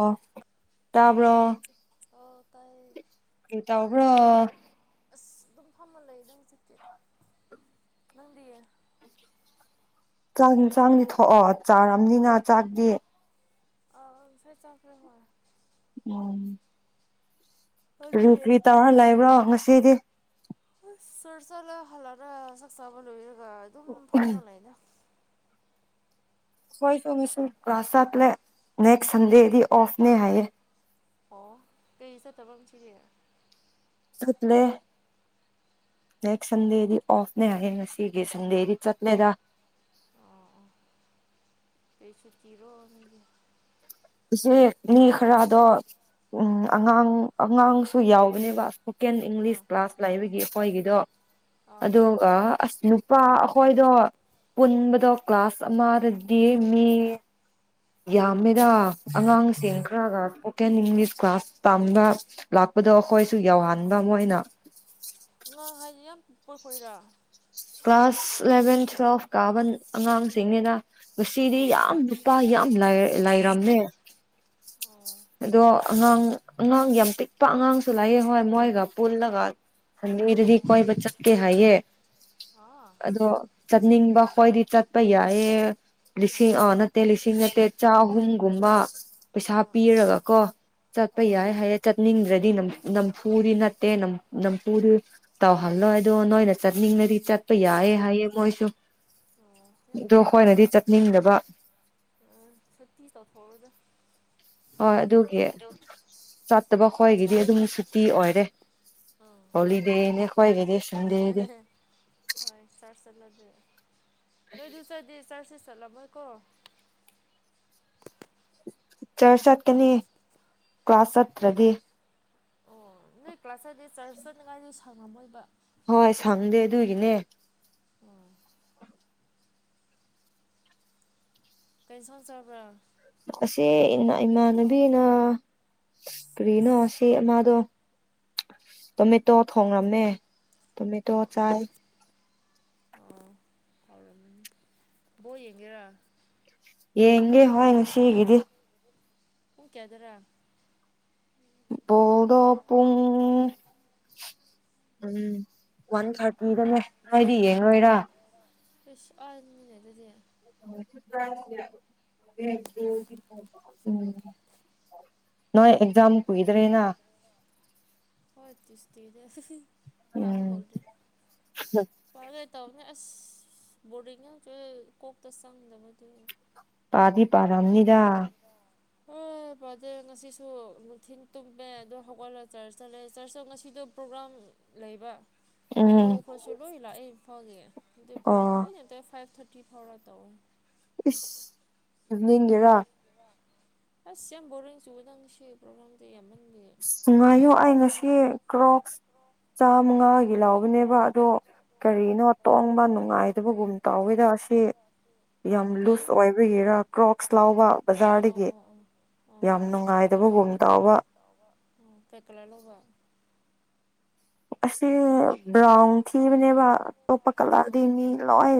ꯑꯣ ꯇꯥꯕ꯭ꯔ ꯏꯇ ꯑꯣꯕ꯭ꯔꯣ ꯑꯗꯨꯝ ꯐꯥꯝꯃꯜ ꯂꯩꯏ ꯅꯪ ꯆꯦꯀꯤꯦꯠ ꯅꯪꯗꯌꯦ ꯆꯥꯛ ꯆꯥꯛꯗꯤ ꯊꯣꯛꯑꯣ ꯆꯥꯔꯕꯅꯤꯅ ꯆꯥꯛꯗꯤ ꯑ ꯉꯁꯥꯏ ꯆꯥꯞꯔꯍ ꯎꯝ ꯀꯔꯤ ꯀꯔꯤ ꯇꯧꯔ ꯂꯩꯕ꯭ꯔꯣ ꯉꯁꯤꯗꯤ ꯆꯨꯔꯁꯂ ꯍꯜꯂꯔ ꯆꯛꯁꯕ ꯂꯔꯒ ꯑꯗꯨꯝ ꯐꯃꯂꯅ ꯍꯣꯏ ꯁꯃꯤꯁꯨ ꯀ꯭ꯂꯥꯁꯠ ꯂꯩ ꯅꯦꯛꯁ ꯁꯟꯗꯦꯗꯤ ꯑꯣꯐꯅꯦ ꯍꯥꯏꯌꯦ ꯑꯣ ꯀꯩ ꯆꯠꯇꯕꯝ ꯁꯤꯔꯤ ꯁꯠꯂꯦ ꯅꯦꯛꯁ ꯁꯟꯗꯦꯗꯤ ꯑꯣꯐꯅꯦ ꯍꯥꯏꯌꯦ ꯉꯁꯤꯒꯤ ꯁꯟꯗꯦꯗꯤ ꯆꯠꯂꯦꯗ [unintelligible] ꯄꯩꯁꯨ ꯆꯤꯔꯣꯒꯤ ꯏꯆꯦ ꯃꯤ ꯈꯔꯗꯣ ꯎꯝ ꯑꯉꯥꯡ ꯑꯉꯥꯡꯁꯨ ꯌꯥꯎꯕꯅꯦꯕ ꯀꯦꯟ ꯏꯪꯂꯤꯁ ꯀ꯭ꯂꯥꯁ ꯂꯩꯕꯒꯤ ꯑꯩꯈꯣꯏꯒꯤꯗꯣ ꯑꯗꯨꯒ ꯑꯁ ꯏꯄꯥ ꯑꯩꯈꯣꯏꯗꯣ ꯄꯨꯟꯕꯗꯣ ꯀ꯭ꯂꯥꯁ ꯑꯃꯗꯗꯤ ꯃꯤ ꯌꯥꯝꯃꯦꯗ ꯑꯉꯥꯡꯁꯤꯡ ꯈꯔꯒ ꯏꯁꯄꯣꯀꯦꯟ ꯏꯪꯂꯤꯁ ꯀ꯭ꯂꯥꯁ ꯇꯝꯕ ꯂꯥꯛꯄꯗꯣ ꯑꯩꯈꯣꯏꯁꯨ ꯌꯥꯎꯍꯟꯕ ꯑꯃ ꯑꯣꯏꯅ ꯎꯄꯄꯣꯏꯔ ꯀ꯭ꯂꯥꯁ ꯏꯂꯦꯚꯦꯟ ꯇꯨꯋꯦꯜꯐ ꯀꯥꯕ ꯑꯉꯥꯡꯁꯤꯡꯅꯤꯅ ꯉꯁꯤꯗꯤ ꯌꯥꯝ ꯅꯨꯄꯥ ꯌꯥꯝ ꯂꯥꯏꯔꯝꯃꯦ ꯑꯗꯣ ꯑꯉꯥꯡ ꯑꯉꯥꯡ ꯌꯥꯝ ꯄꯤꯛꯄ ꯑꯉꯥꯡꯁꯨ ꯂꯥꯛꯑꯦ ꯍꯣꯏ ꯃꯣꯏꯒ ꯄꯨꯜꯂꯒ ꯁꯟꯒꯗꯗꯤ ꯀꯣꯏꯕ ꯆꯠꯀꯦ ꯍꯥꯏꯌꯦ ꯑꯗꯣ ꯆꯠꯅꯤꯡꯕ ꯑꯩꯈꯣꯏꯗꯤ ꯆꯠꯄ ꯌꯥꯏꯌꯦꯦ ꯂꯤꯁꯤꯡ ꯑ ꯅꯠꯇꯦ ꯂꯤꯁꯤꯡ ꯅꯠꯇꯦ ꯆꯍꯨꯝ ꯒꯨꯝꯕ ꯄꯩꯁꯥ ꯄꯤꯔꯒ ꯀꯣ ꯆꯠꯄ ꯌꯥꯏ ꯍꯥꯏꯌꯦ ꯆꯠꯅꯤꯡꯗ꯭ꯔꯗꯤ ꯑꯗꯨꯝ ꯅꯝꯄꯨꯔꯤꯅꯠꯇꯦ ꯅꯝ ꯅꯝꯄꯨꯔꯤ ꯇꯧꯍꯜꯂꯣꯏ ꯑꯗꯣ ꯅꯣꯏꯅ ꯆꯠꯅꯤꯡꯉꯗꯤ ꯆꯠꯄ ꯌꯥꯏꯦ ꯍꯥꯏꯌꯦ ꯃꯣꯏꯁꯨ ꯑꯗꯨꯣ ꯑꯩꯈꯣꯏꯅꯗꯤ ꯆꯠꯅꯤꯡꯗꯕ ꯁꯨꯤ ꯇ ꯊꯣꯖ ꯍꯣꯏ ꯑꯗꯨꯒꯤ ꯆꯠꯇꯕ ꯍꯣꯏꯒꯤ ꯗꯤ ꯑꯗꯨꯝ ꯁꯨꯇꯤ ꯑꯣꯏꯔꯦ ꯍꯣꯂꯤꯗꯦꯅꯦ ꯈꯣꯏꯒꯤꯗꯤ ꯍꯣꯏ ꯆꯠꯁꯠꯂꯗꯤ ꯅꯣꯏꯁꯗꯤ ꯆꯔꯁ ꯆꯂ ꯃꯣꯏ ꯀꯣ ꯆꯔꯁ ꯍꯥꯇꯦꯅꯤ ꯀ꯭ꯂ ꯀ꯭ꯂꯥꯁ ꯍꯇ꯭ꯔꯗꯤ ꯑꯣ ꯅꯣꯏ ꯀ꯭ꯂꯥꯁ ꯆꯠꯗꯤꯦ ꯆꯔꯆ ꯆꯠꯅꯉꯥꯏꯗꯤ ꯁꯪꯉꯝꯃꯣꯏꯕ ꯍꯣꯏ ꯁꯪꯗꯦ ꯑꯗꯨꯒꯤꯅꯦ ꯀꯩꯅꯣ ꯁꯣꯡ ꯆꯕ꯭ꯔꯥ ꯑꯁꯤꯁꯦ ꯏ ꯏꯃꯥꯅꯕꯤꯅ ꯀꯔꯤꯅꯣ ꯁꯤ ꯃꯥꯗꯣ ꯇꯣꯃꯦꯇꯣ ꯊꯣꯡꯂꯝꯃꯦ ꯇꯃꯦ ꯇꯣ ꯆꯥꯏ ꯑ ꯕꯣ ꯌꯦꯡꯒꯦꯔꯥ ꯌꯦꯦ ꯍꯣꯏꯅꯁꯤ ꯍꯦꯒꯗꯤ ꯎ ꯀꯌꯥꯗꯔꯥ ꯣꯗꯣ ꯄꯨꯡ ꯎꯝ ꯋꯥꯟ ꯊꯥꯔꯇꯤꯗꯅꯦ ꯍꯥꯏꯣꯏꯗꯤ ꯌꯦꯡꯉꯣꯏꯔ ꯑꯔꯃꯤꯅꯦꯗꯗꯦ ꯎꯝ ꯅ ꯑꯦꯛꯖꯥꯝ ꯀꯗꯔꯦꯅ ꯍꯣꯏꯁꯇꯤꯔ ꯇꯥꯕ ꯍꯧꯗꯦ ꯦ ꯇ ꯄꯥꯗꯤ ꯄꯔꯝꯅꯤꯗꯥ ꯐꯖꯦ ꯉꯁꯤꯁꯨ ꯅꯨꯡꯊꯤꯟ ꯇꯨꯝꯃꯦ ꯑꯗꯣ ꯍꯧꯒꯠꯂꯒ ꯆꯔꯆꯇ ꯂꯩ ꯆꯔꯆꯇ ꯉꯁꯤꯗꯣ ꯄ꯭ꯔꯣꯒ꯭ꯔꯥꯝ ꯂꯩꯕ ꯏꯌꯨ ꯍ ꯂꯥꯛꯑꯦ ꯏꯝꯐꯥꯎꯜꯒꯤꯦ ꯑ ꯄ꯭ꯔꯣꯒ꯭ꯔꯥꯝ ꯀꯨꯗꯅꯠꯇ ꯐꯥꯏꯚ ꯊꯥꯔꯇꯤ ꯐꯥꯎꯔ ꯇꯧ ꯏꯁ ꯏꯚꯅꯤꯡꯒꯤꯦꯔꯥ ꯑꯁ ꯌꯥꯝ ꯣ ꯆꯣꯂꯦꯝ ꯌꯥꯝ ꯀꯔꯤꯅꯣ ꯇꯣꯡꯕ ꯅꯨꯡꯉꯥꯏꯗꯕꯒꯨꯝ ꯇꯧꯋꯗ ꯑꯁꯤ ꯌꯥꯝ ꯂꯨꯁ ꯑꯣꯏꯕꯒꯤꯔ ꯀ꯭ꯔꯣꯛꯁ ꯂꯥꯎꯕ ꯕꯖꯥꯔꯗꯒꯤ ꯌꯥꯝ ꯅꯨꯡꯉꯥꯏꯗꯕꯒꯨꯝ ꯇꯥꯎꯕ ꯀꯦꯀꯂ ꯂꯧꯧꯕ ꯑꯁꯤ ꯕ꯭ꯔꯥꯎꯟ ꯊꯤꯕꯅꯦꯕ ꯑꯇꯣꯞꯄ ꯀꯂꯔꯗꯤ ꯃꯤ ꯂꯣꯏ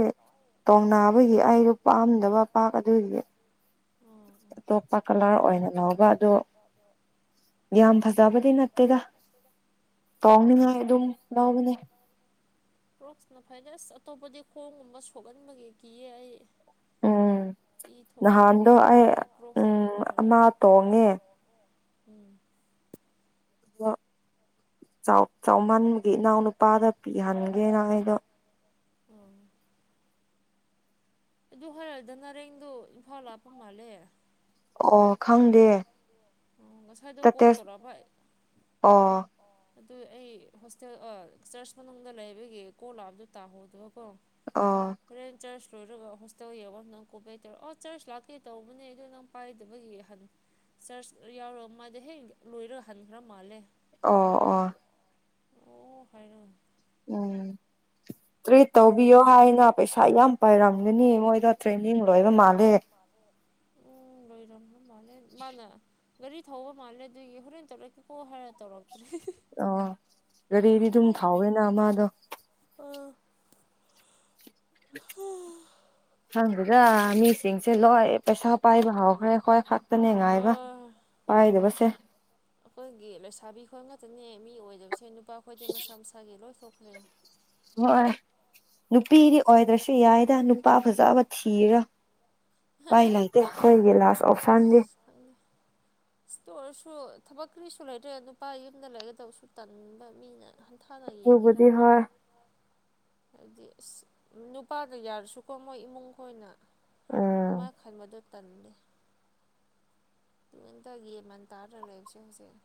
ꯇꯧꯅꯥꯅꯕꯒꯤ ꯑꯩꯁꯨ ꯄꯥꯝꯗꯕ ꯄꯥꯛ ꯑꯗꯨꯒꯤ ꯑꯇꯣꯞꯄ ꯀꯂꯔ ꯑꯣꯏꯅ ꯂꯧꯕ ꯑꯣ ꯌꯥꯝ ꯐꯖꯥꯕꯗꯤ ꯅꯠꯇꯦꯗ ꯇꯣꯡꯅꯤꯅ ꯑꯗꯨ ꯑꯗꯨꯝ ꯂꯕꯅꯦ ꯀ꯭ꯔꯣꯛꯁꯅ ꯐꯅꯦ ꯑꯁ ꯑꯇꯣꯞꯄꯗꯤ ꯈꯣꯡꯒꯨꯝꯕ ꯁꯣꯛꯍꯟꯕꯒꯤ ꯀꯤꯌꯦ ꯑꯩ ꯎꯝ ꯏ ꯊꯣꯛꯄꯒꯨꯝ ꯃꯣꯏ ꯑꯃꯅ ꯀ꯭ꯔꯣꯛꯁꯇꯗꯤꯦꯝ ꯐꯔꯦ ꯎꯝ ꯏ ꯆꯥꯎꯃꯟꯒꯤ ꯏꯅꯥꯎ ꯅꯨꯄꯥꯗ ꯄꯤꯍꯟꯒꯦꯅ ꯑꯩꯗꯣ ꯎꯝ ꯑꯗꯨ ꯍꯔꯗ ꯅꯔꯦꯡꯗꯣ ꯏꯝꯐꯥꯜ ꯂ ꯍꯥꯞꯄ ꯃꯥꯜꯂꯦ ꯑꯣ ꯈꯪꯗꯦ ꯇꯠꯇꯦꯁ ꯑꯣ ꯑꯗꯨ ꯑꯩ ꯍꯣꯁꯇꯦꯜ ꯆꯔꯆ ꯃꯅꯨꯡꯗ ꯂꯩꯕꯒꯤ ꯀꯣꯜ ꯂꯥꯛꯑꯕꯗꯣ ꯇꯥꯍꯧꯗꯕꯀꯣ ꯐ ꯆꯁ ꯂꯣꯏꯔꯒ ꯍꯣꯁꯇꯦꯜ ꯌꯧꯔ ꯅꯪ ꯀꯣꯄ ꯍꯥꯏꯇꯥꯧꯔꯣ ꯑꯣ ꯆꯥꯔꯖ ꯂꯥꯛꯀꯦ ꯇꯧꯕꯅꯦ ꯑꯗꯨꯗꯣ ꯅꯪ ꯄꯥꯏꯗꯕꯒꯤ ꯆꯔꯆ ꯌꯥꯎꯔꯒ ꯃꯥꯜꯗꯤꯦ ꯍꯦꯛ ꯂꯣꯏꯔꯒ ꯍꯟꯈ꯭ꯔ ꯃꯥꯜꯂꯦ ꯑꯣ ꯑꯣ ꯑꯣ ꯍꯥꯏꯩꯔꯣꯟ ꯎꯝ ꯇ꯭ꯔꯤꯠ ꯇꯧꯕꯤꯌꯣ ꯍꯥꯏꯅ ꯄꯩꯁꯥ ꯌꯥꯝ ꯄꯥꯏꯔꯝꯒꯅꯤ ꯃꯣꯏꯗ ꯇ꯭ꯔꯦꯅꯤꯡ ꯂꯣꯏꯕ ꯃꯥꯜꯂꯦ ꯎꯝ ꯂꯣꯏꯔꯝꯃ ꯃꯥꯅꯦꯦ ꯃꯥꯅꯦ ꯒꯥꯔꯤ ꯊꯧꯕ ꯃꯥꯜꯂꯦ ꯑꯗꯨꯒꯤ ꯍꯣꯔꯦꯟ ꯇꯧꯔꯛꯀꯦꯀꯣ ꯍꯥꯏꯔ ꯇꯧꯔꯛꯒꯦ ꯑ ꯒꯥꯔꯤꯗꯤ ꯑꯗꯨꯝ ꯊꯥꯎꯋꯦꯅ ꯃꯥꯗꯣ [unintelligible] ꯈꯪꯗꯦꯗ ꯃꯤꯁꯤꯡꯁꯦ ꯂꯣꯏ ꯄꯩꯁꯥ ꯄꯥꯏꯕ ꯍꯧꯈ꯭ꯔꯦ ꯑꯩꯈꯣꯏ ꯈꯛ ꯇꯅꯦ ꯉꯥꯏꯕ ꯑꯩꯈꯣꯏꯒꯤ ꯂꯩꯁꯥꯕꯤ ꯈꯣꯏ ꯉꯥꯛꯇꯅꯦ ꯃꯤ ꯑꯣꯏꯗꯕꯁꯦ ꯅꯨꯄꯥ ꯈꯣꯏꯗꯤ ꯃꯁꯥ ꯃꯁꯥꯒꯤ ꯂꯣꯏ ꯁꯣꯛ [unintelligible] ꯍꯣꯏ ꯅꯨꯄꯤꯗꯤ ꯑꯣꯏꯗ꯭ꯔꯁꯨ ꯌꯥꯏꯗ ꯅꯨꯄꯥ ꯐꯖꯕ ꯊꯤꯔꯥ ꯄꯥꯏ ꯂꯩꯇꯦ ꯑꯩꯈꯣꯏꯒꯤ ꯂꯥꯁ ꯑꯣꯞꯁꯟꯖꯤ ꯁꯨ ꯊꯕꯛ ꯀꯔꯤꯁꯨ ꯂꯩꯇ꯭ꯔꯦ ꯅꯨꯄꯥ ꯌꯨꯝꯗ ꯂꯩꯒꯗꯕꯁꯨ ꯇꯟꯕ ꯃꯤꯅ ꯑꯥꯟ ꯊꯅꯥꯥ ꯌꯦꯡꯉꯦꯔꯅ ꯍꯥꯏꯗꯤ ꯑꯁ ꯅꯨꯄꯥꯗ ꯌꯥꯔꯁꯨꯀꯣ ꯃꯣꯏ ꯏꯃꯨꯡ ꯈꯣꯏꯅ ꯑꯗꯨꯃꯥꯏꯅ ꯈꯟꯕꯗꯨ ꯇꯟꯂꯦ [unintelligible] ꯌꯦꯃꯟ ꯇꯥꯗ꯭ꯔꯒ ꯂꯩꯕꯁꯦ ꯍꯧꯖꯤꯛ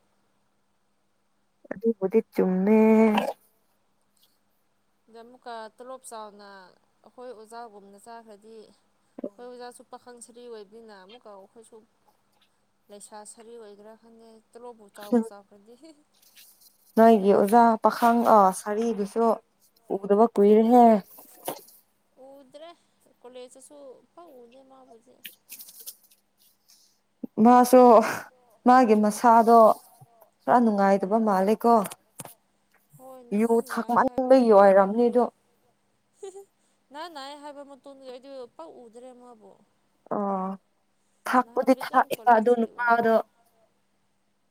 ꯑꯗꯨꯕꯨꯗꯤ ꯆꯨꯝꯃꯦ ꯑꯗ ꯑꯃꯨꯛꯀ ꯇꯣꯂꯣꯞ ꯆꯥꯎꯅ ꯑꯩꯈꯣꯏ ꯑꯣꯖꯥꯒꯨꯝꯅ ꯆꯥꯈ꯭ꯔꯗꯤ ꯍꯣꯏ ꯑꯣꯖꯥꯁꯨ ꯄꯥꯈꯪ ꯁꯔꯤ ꯑꯣꯏꯕꯅꯤꯅ ꯑꯃꯨꯛꯀꯥꯎ ꯑꯩꯈꯣꯏꯁꯨ ꯂꯩꯁꯥ ꯁꯔꯤ ꯑꯣꯏꯈ꯭ꯔꯥ ꯈꯪꯉꯦ ꯇꯂꯣꯞꯕꯨ ꯆꯥꯎꯕꯨ ꯆꯥꯎꯈ꯭ꯔꯗꯤ ꯅꯣꯏꯒꯤ ꯑꯣꯖꯥ ꯄꯥꯈꯪ ꯑꯣ ꯁꯥꯔꯤꯗꯨꯁꯨ ꯎꯗꯕ ꯀꯨꯏꯔꯦꯍꯦ ꯎꯗ꯭ꯔꯦ ꯀꯣꯂꯦꯖꯇꯁꯨ ꯐꯥꯎ ꯎꯗꯦ ꯃꯥꯕꯨꯗꯤ ꯃꯥꯁꯨ ꯃꯥꯒꯤ ꯃꯁꯥꯗꯣ ꯁꯥ ꯅꯨꯡꯉꯥꯏꯇꯕ ꯃꯥꯜꯂꯦꯀꯣ ꯌꯨ ꯊꯛꯃꯟꯕꯩ ꯑꯣꯏꯔꯝꯅꯤꯗꯨ ꯅ ꯅꯥꯏ ꯍꯥꯏꯕ ꯃꯇꯨꯡꯗ ꯑꯩꯗꯤ ꯄꯛ ꯎꯗ꯭ꯔꯦ ꯃꯥꯕꯨ ꯑꯣ ꯅꯍꯝ ꯔꯤꯗꯝ ꯀꯣꯂꯦꯖꯇꯗꯤ ꯎꯅꯤ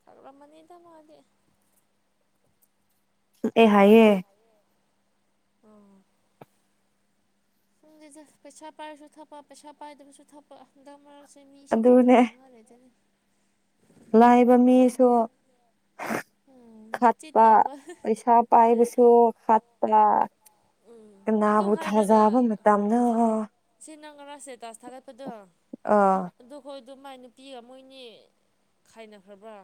ꯐꯔꯝꯃꯅꯤ ꯇ ꯃꯗꯤ ꯑꯦ ꯍꯥꯏꯌꯦ ꯑꯣ ꯁꯨꯝꯉꯤꯖ ꯄꯩꯁꯥ ꯄꯥꯏꯔꯁꯨ ꯊꯛꯄ ꯄꯩꯁꯥ ꯄꯥꯏꯗꯕꯁꯨ ꯊꯛꯄ ꯍꯟꯗꯛ ꯃꯔꯛ ꯁꯤ ꯃꯤꯁꯤꯡꯁꯦ ꯊꯥꯖꯅꯔꯦꯗꯅꯤ ꯂꯥꯏꯕ ꯃꯤꯁꯨ ꯈꯠꯄ ꯄꯩꯁꯥ ꯄꯥꯏꯕꯁꯨ ꯈꯠꯄ ꯀꯅꯕꯨ ꯊꯥꯖꯕ ꯃꯇꯝꯅꯣ ꯁꯤ ꯅꯉꯥꯔꯁꯦ ꯇꯥꯁ ꯊꯒꯠꯄꯗꯣ ꯑꯗꯨ ꯈꯣꯏ ꯑꯗꯨ ꯃꯥꯏ ꯅꯨꯄꯤꯒ ꯃꯣꯏꯅꯤ ꯈꯥꯏꯅꯈ꯭ꯔꯕ꯭ꯔꯥ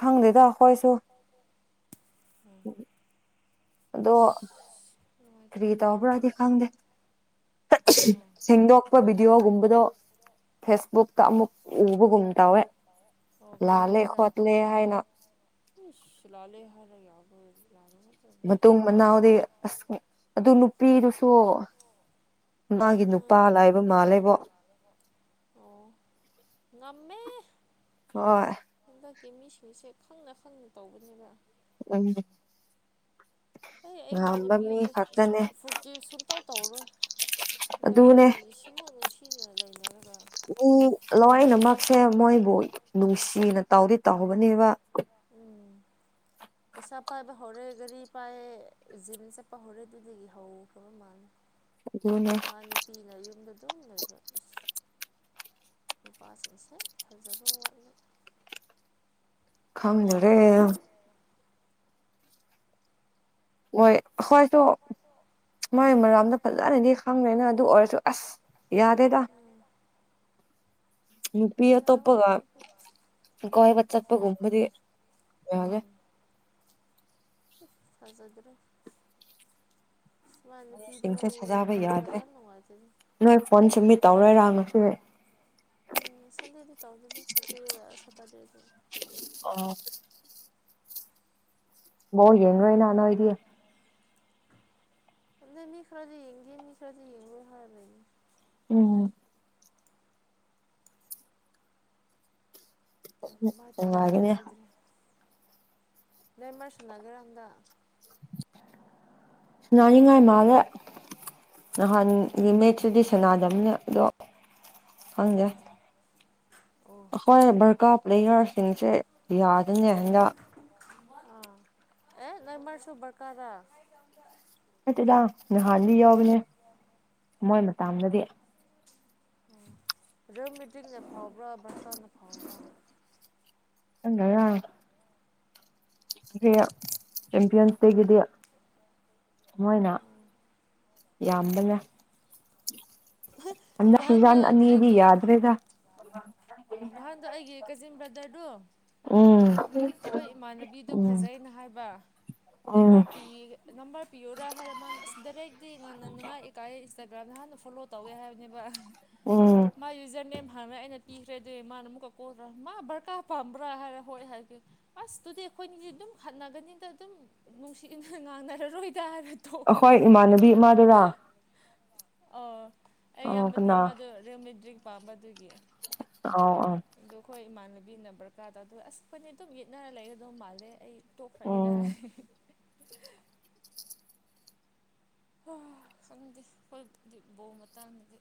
ꯈꯪꯗꯦꯗ ꯑꯩꯈꯣꯏꯁꯨ [unintelligible] ꯑꯗꯣ ꯀ꯭ꯔꯤ ꯇꯧꯕ꯭ꯔꯥꯗꯤ ꯈꯪꯗꯦ ꯁꯦꯡꯗꯣꯛꯄ ꯚꯤꯗꯤꯑꯣꯒꯨꯝꯕꯗꯣ ꯐꯦꯁꯕꯨꯛꯇ ꯑꯃꯨꯛ ꯎꯕꯒꯨꯝ ꯇꯧꯋꯦ ꯂꯥꯜꯂꯦ ꯈꯣꯠꯂꯦ ꯍꯥꯏꯅ ꯏꯁ ꯂꯥꯂꯦ ꯍꯥꯏꯔ ꯌꯥꯕ ꯃꯇꯨꯡ ꯃꯅꯥꯎꯗꯤ ꯑꯁ ꯑꯗꯨ ꯅꯨꯄꯤꯗꯨꯁꯨ ꯃꯥꯒꯤ ꯅꯨꯄꯥ ꯂꯥꯏꯕ ꯃꯥꯜꯂꯦꯕꯣ ꯍꯣꯏ ꯍꯛꯀꯤ ꯃꯤꯁꯤꯡꯁꯦ ꯈꯪꯅ ꯈꯪꯅ ꯇꯧꯕꯅꯦꯕ ꯎꯝ ꯑꯩ ꯑꯩ ꯃꯥꯏꯅꯨꯄꯤꯗꯨ ꯏꯁ ꯐꯨꯨꯔꯀꯦꯞ ꯁꯨꯡꯇꯧ ꯇꯧꯔꯣꯏ ꯗꯖꯒꯤ ꯁꯤꯝꯃꯨꯛ ꯅꯨꯡꯁꯤꯅ ꯂꯩ ꯂꯋꯥꯏꯅꯃꯛꯁꯦ ꯃꯣꯏꯕꯨ ꯅꯨꯡꯁꯤꯅ ꯇꯧꯗꯤ ꯇꯧꯍꯧꯕꯅꯦꯕ [unintelligible] ꯄꯩꯁꯥ ꯄꯥꯏꯕ ꯍꯧꯔꯦ ꯒꯥꯔꯤ ꯄꯥꯏꯑꯦ ꯖꯤꯝ ꯆꯠꯄ ꯍꯧꯔꯦ ꯑꯗꯨꯗꯒꯤ ꯍꯧꯈꯕ ꯃꯥꯜꯂꯦ ꯃꯥ ꯅꯨꯄꯤꯅ ꯌꯨꯝꯗ ꯑꯗꯨꯝ ꯂꯩꯕꯁ ꯅꯨꯄꯥꯥꯁꯦꯁꯦ ꯐꯖꯕ ꯋꯥꯠꯂ ꯈꯝꯖꯔꯦ ꯍꯣꯏ ꯍꯣꯏ ꯇꯣ ꯃꯥꯏ ꯃꯔꯣꯝꯗ ꯐꯖꯅꯗꯤ ꯈꯪꯗ꯭ꯔꯦꯅ ꯑꯗꯨ ꯑꯣꯏꯔꯁꯨ ꯑꯁ ꯌꯥꯗꯦꯗ ꯅꯨꯄꯤ ꯇꯣꯄꯒ ꯀꯣꯦꯕ ꯆꯄ ꯨꯝꯃꯗꯤ ꯌꯥꯅꯦꯦ ꯍꯖ ꯑꯗꯨ꯭ꯔꯦ ꯃꯅꯄꯤꯤ ꯇ ꯈꯜꯂꯒꯖꯅꯨꯡ ꯑꯣꯏꯔ ꯅꯣꯏ ꯐꯣꯟ ꯁꯦꯃꯤꯠ ꯇꯧꯔꯣꯏꯔꯥ ꯉꯁꯤꯗꯤ ꯎꯝ ꯁꯟꯗꯦꯗꯤ ꯇꯥꯎꯅꯤ ꯑꯗꯨꯦ ꯁꯇꯔꯗꯦꯗ ꯑ ꯣ ꯌꯦꯅꯣ ꯏ ꯅꯅꯣ ꯑꯣꯏꯑꯦ ꯃꯤ ꯈꯔꯗꯤ ꯍꯤꯡꯒꯦ ꯃꯤ ꯈꯔꯗꯤ ꯍꯤꯡꯒꯦ ꯍꯥꯏꯔ ꯎꯝ ꯆꯪꯅꯦ ꯂꯩ ꯃꯁꯨꯟꯅꯒꯔꯗ [unintelligible] ꯅꯥꯅꯤꯡꯉꯥꯏ ꯃꯥꯜꯂꯦ ꯅꯍꯥꯟꯒꯤ ꯃꯦꯠꯁꯤꯗꯤ ꯁꯅꯥ ꯅꯝꯅꯦ ꯑꯗꯣ ꯍꯪꯗꯦ ꯍꯣꯏ ꯕꯔꯀꯥ ꯄ꯭ꯂꯦꯌꯥꯔꯁꯤꯡꯁꯦ ꯌꯥꯗꯅꯦ ꯍꯟꯗ ꯑ ꯑꯦ ꯅꯦꯝ ꯃꯔꯔꯁꯨ ꯔꯀꯥꯔꯥ ꯅꯠꯇꯦꯗꯥ ꯅꯍꯥꯟꯗꯤ ꯌꯥꯎꯕꯅꯦ ꯃꯣꯏ ꯃꯇꯥꯝꯗꯗꯤ ꯎ ꯔꯃꯤꯇꯛꯅꯦ ꯐꯥꯎꯕ꯭ꯔ [unintelligible] ꯍꯉ ꯌꯥ ꯆꯄꯤꯌꯟꯁ ꯇꯒꯗꯌꯥ ꯃꯣꯏꯅ ꯌꯥꯝꯗꯅ ꯅꯍꯥꯟꯗ ꯑꯩꯒꯤ ꯅꯍꯥꯟꯗ ꯑꯩꯒꯤ ꯀꯆꯤꯟ ꯗꯨꯣ ꯎꯝ ꯍꯣꯏ ꯏꯃꯥꯟꯅꯕꯤꯗꯨ ꯐꯖꯅ ꯍꯥꯏꯕ ꯅꯝꯕꯔ ꯄ ꯅꯝꯕꯔ ꯄꯤꯌꯔꯥ ꯍꯥꯏꯔ ꯃꯥꯅ ꯑꯁ ꯗꯥꯏꯔꯦꯛꯛꯇꯤ ꯉꯥꯟꯅꯅꯤꯡꯉꯥꯏ ꯏꯀꯥꯏ ꯏꯟꯁꯇꯥꯒ꯭ꯔꯥꯝꯗ ꯍꯥꯟꯅ ꯐꯣꯂꯣ ꯇꯧꯋꯦ ꯍꯥꯏꯕꯅꯦꯕ ꯃꯥ ꯌꯨꯖꯔ ꯅꯦꯝ ꯥꯟ ꯑꯩꯅ ꯄꯤꯈ꯭ꯔꯦ ꯑꯗꯨ ꯃꯥꯅ ꯑꯃꯨꯛꯀ ꯀꯣꯠꯇ꯭ꯔꯥ ꯃꯥ ꯕꯔꯀꯥꯔ ꯄꯥꯝꯕ꯭ꯔꯥ ꯍꯥꯏꯔ ꯍꯣꯏꯦ ꯍꯥꯏꯒꯦ ꯑꯁ ꯇꯨꯗꯤ ꯑꯩꯈꯣꯏꯅꯤꯗꯤ ꯑꯗꯨꯝ ꯍꯠꯅꯒꯅꯤꯗ ꯑꯗꯨꯝ ꯅꯨꯡꯁꯤꯅ ꯉꯥꯡꯅꯔꯔꯣꯏ ꯑꯈꯣꯏ ꯏꯃꯥꯟꯅꯕꯤ ꯏꯃꯥꯗꯔꯥ ꯑꯣ ꯑꯩ ꯏꯌꯥꯝꯕꯗꯤ ꯃꯥꯗꯨ ꯔꯤꯌꯃꯤ ꯗ꯭ꯔꯤꯛ ꯄꯥꯝꯕ ꯑꯗꯨꯒꯤ ꯑꯗꯨ ꯑꯩꯈꯣꯏ ꯏꯃꯥꯟꯅꯕꯤꯅ ꯔꯀꯥꯔ ꯇꯗ ꯑꯁꯄꯅꯤ ꯑꯗꯨꯝ ꯌꯦꯠꯅꯔ ꯂꯩꯒꯗꯧ ꯃꯥꯜꯂꯦ ꯑꯩ ꯇꯣꯈꯔ ꯀꯗ ꯍ ꯈꯪꯗꯦ ꯍꯈꯣꯏ ꯕꯣ ꯃꯇꯥꯡꯗꯗꯤ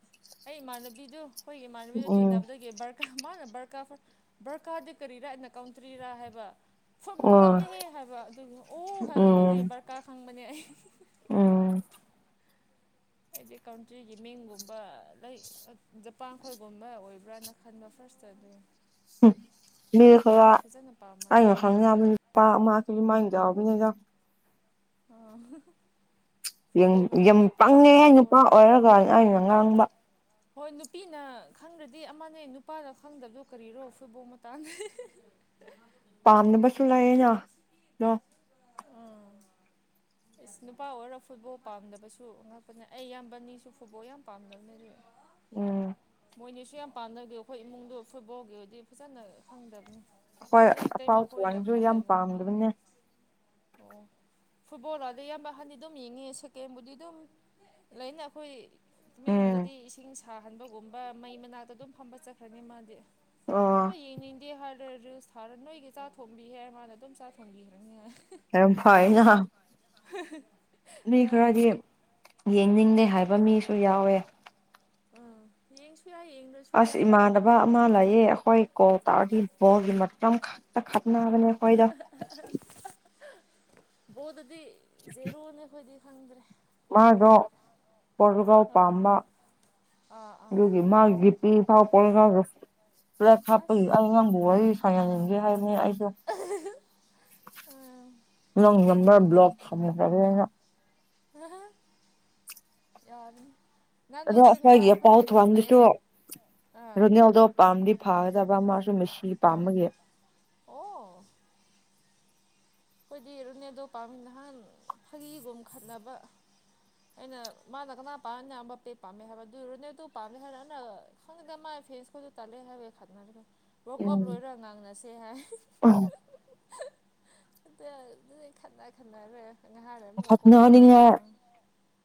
ꯑꯩ ꯏꯃꯥꯟꯅꯕꯤꯗꯨ ꯑꯩꯈꯣꯏꯒꯤ ꯏꯃꯅꯕꯤꯗ ꯇꯤꯟꯅꯕꯗꯒꯤ ꯕꯔꯀꯥꯔ ꯃꯥꯅ ꯕꯔ ꯕꯔꯀꯥꯗꯤ ꯀꯔꯤꯔꯥꯅ ꯀꯥꯎꯗ꯭ꯔꯤꯔꯥ ꯍꯥꯏꯕ ꯐꯣꯔꯃꯨ ꯀꯞꯅꯍꯦ ꯍꯥꯏꯕ ꯑꯗꯨꯗꯤ ꯑꯣ ꯍꯥꯏꯔꯣ ꯑꯗꯨꯗꯤ ꯕꯔꯀꯥ ꯈꯪꯕꯅꯦ ꯑꯩ ꯑꯩꯗꯤ ꯀꯟꯇ꯭ꯔꯤꯒꯤ ꯃꯤꯡꯒꯨꯝꯕ ꯂꯩ ꯖꯄꯥꯟꯈꯣꯏꯒꯨꯝꯕ ꯑꯣꯏꯕ꯭ꯔꯅ ꯈꯟꯕ ꯐ ꯄ ꯑꯗꯨꯦ ꯃ ꯈꯔ ꯑ ꯈꯪꯉ ꯄꯄꯥ ꯃꯥ ꯀ ꯌꯥꯕꯅꯦꯖ ꯑꯣ ꯌꯥꯝ ꯄꯪꯉꯦ ꯅꯨꯄꯥ ꯑꯣꯏꯔꯒ ꯑꯩꯅ ꯉꯥꯡꯕ ꯍꯣꯏ ꯅꯨꯄꯤꯅ ꯈꯪꯗ꯭ꯔꯗꯤ ꯑꯃꯅꯦ ꯅꯨꯄꯥꯅ ꯈꯪꯗꯕꯗꯣ ꯀꯔꯤꯔꯣ ꯐꯣꯏꯕꯥꯎ ꯃꯇꯥꯡꯗ ꯄꯥꯝꯅꯕꯁꯨ ꯂꯩꯑꯌꯦ ꯌꯥ ꯂ ꯏꯁ ꯅꯨꯄꯥ ꯑꯣꯏꯔ ꯐꯨꯠꯕꯣꯜ ꯄꯥꯝꯗꯕꯁꯨ ꯉꯛꯄꯅꯦ ꯑꯩ ꯏꯌꯥꯝꯕꯅꯤꯁꯨ ꯐꯨꯠꯕꯣꯜ ꯌꯥꯝ ꯄꯥꯝꯗꯕꯅꯔꯤ ꯎꯝ ꯃꯣꯏꯅꯤꯁꯨ ꯌꯥꯝ ꯄꯥꯝꯅꯕꯤ ꯑꯩꯈꯣꯏ ꯏꯃꯨꯡꯗꯣ ꯐꯨꯠꯕꯣꯜꯒꯤꯕꯨꯗꯤ ꯐꯖꯅ ꯈꯪꯗꯕꯅꯤ ꯍꯣꯏ ꯑꯄꯥꯎ ꯊꯧꯋꯥꯡꯁꯨ ꯌꯥꯝ ꯄꯥꯝꯗꯕꯅꯦ ꯑꯣ ꯐꯨꯠꯕꯣꯜ ꯑꯗꯨꯗ ꯏꯌꯥꯝꯕ ꯑꯍꯟꯗꯤ ꯑꯗꯨꯝ ꯌꯦꯡꯉꯤ ꯁꯦꯀꯦꯟꯕꯨꯗꯤ ꯑꯗꯨꯝ ꯂꯅ ꯑꯩꯈꯣꯏ ꯇꯃꯦꯡꯂꯣꯡꯗꯗꯤ ꯏꯁꯤꯡ ꯁꯥꯍꯟꯕꯒꯨꯝꯕ ꯃꯩ ꯃꯅꯥꯛꯇ ꯑꯗꯨꯝ ꯐ ꯆꯠꯈ꯭ꯔꯅꯤ ꯍ ꯌꯦ ꯑ ꯔꯦꯁ ꯊꯔ ꯅꯣꯏꯒꯤ ꯆꯥꯛ ꯊꯣꯡꯕꯤꯍꯦ ꯃꯥꯅ ꯑꯗꯨꯝ ꯆꯥꯛ ꯊꯣꯡꯕꯤꯈ꯭ꯔꯅꯤ ꯌꯥꯝꯔꯝ ꯐ ꯅꯍꯥ ꯍ ꯃꯤ ꯈꯔꯗꯤ ꯌꯦꯡꯅꯤꯡꯗꯦ ꯍꯥꯏꯕ ꯃꯤꯁꯨ ꯌꯥꯎꯋꯦ ꯎ ꯌꯦ ꯑꯁ ꯏꯃꯥꯟꯅꯕ ꯑꯃ ꯂꯩꯌꯦ ꯑꯩꯈꯣꯏ ꯀꯣꯛ ꯇꯥꯔ ꯣꯝ ꯈ ꯇ ꯈꯠꯅ ꯍꯥꯏꯕꯅ ꯈꯣꯏꯗ ꯕꯣꯠꯇꯗꯤ ꯖꯦꯔꯣꯅꯦ ꯑꯩꯈꯣꯏꯗꯤ ꯈꯪꯗ꯭ꯔꯦ ꯃꯥꯗꯣ ꯄꯣꯔꯒꯥꯎ ꯄꯥꯝꯕ ꯑꯗꯨꯒꯤ ꯃꯥꯒꯤ ꯄꯤ ꯐꯥꯎ ꯄꯣꯂꯒꯗ ꯄꯨꯂꯦꯛ ꯍꯥꯞꯄꯒꯤ ꯑꯩ ꯅꯪꯕꯨ ꯋꯥꯔꯤ ꯁ ꯌꯥꯅꯤꯡꯒꯦ ꯍꯥꯏꯕꯅꯤ ꯑꯩ ꯅꯝꯕꯔ ꯭ꯂꯣꯅ ꯑꯍ ꯌꯥ ꯑꯗꯣ ꯑꯩꯈꯣꯏꯒꯤꯄꯥꯎ ꯊꯋꯥꯝꯗꯨꯁꯨ ꯔꯣꯅꯦꯜꯗꯣ ꯄꯥꯝꯗꯤ ꯐꯥꯒꯗꯕ ꯑꯃ ꯃꯁꯤ ꯄꯥꯝꯕꯒꯦ ꯑꯩꯈꯣꯏꯗꯤ ꯔꯨꯅꯦꯗꯣ ꯄꯥꯝꯃꯤ ꯅꯍꯥꯟ ꯍꯒꯤꯤꯒꯨꯝ ꯈꯠꯅꯕ ꯑꯩꯅ ꯃꯥꯅ ꯀꯅꯥ ꯄꯥꯝ ꯕꯄꯦ ꯄꯥꯝꯃꯦ ꯍꯥꯏꯕ ꯑꯗꯨꯔꯨꯅꯦ ꯑꯗꯨ ꯄꯥꯝꯃꯦ ꯍꯥꯏꯔ ꯑꯅ ꯈꯪꯗꯦ ꯐꯦꯁꯁꯨ ꯇꯂꯦ ꯍꯥꯏ ꯈꯗꯅ ꯂꯩꯦ ꯣ ꯀꯣꯞ ꯂꯣꯏꯔ ꯉꯥꯡꯅꯁꯦ ꯍꯥꯏ ꯑꯗꯨꯗꯤ ꯈꯠꯅ ꯈꯠꯅꯔꯦ ꯉꯥꯏꯍꯥꯔꯦ ꯑꯃꯨꯛꯀ ꯀꯣ ꯇꯧꯔ ꯉꯥꯡ